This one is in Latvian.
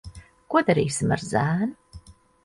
Ko darīsim ar zēnu?